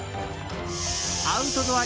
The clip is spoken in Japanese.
アウトドア